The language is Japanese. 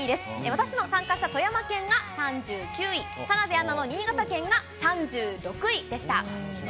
私の参加した富山県が３９位、田辺アナの新潟県が３６位でした。